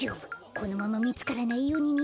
このままみつからないようににげよう。